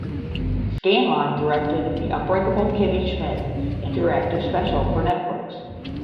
Scanlon directed the "Unbreakable Kimmy Schmidt" interactive special for Netflix.